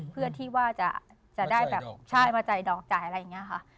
เพื่อที่ว่าจะได้แบบใช่มาจ่ายดอกจ่ายอะไรอย่างนี้ค่ะ